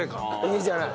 いいじゃない。